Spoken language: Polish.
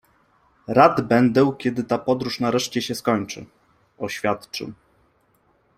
- Rad będę, kiedy ta podróż nareszcie się skończy - oświadczył.